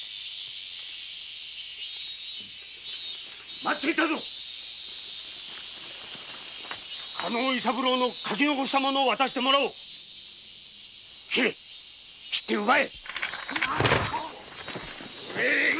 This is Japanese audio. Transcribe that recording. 待っていたぞ加納伊三郎の書き遺した物を渡してもらおう斬れ斬って奪え。